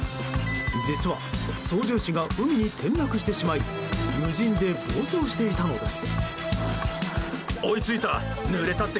実は、操縦士が海に転落してしまい無人で暴走していたのです。